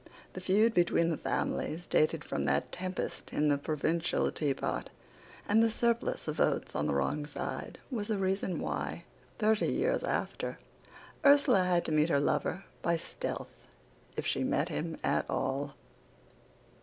The feud between the families dated from that tempest in the provincial teapot, and the surplus of votes on the wrong side was the reason why, thirty years after, Ursula had to meet her lover by stealth if she met him at all."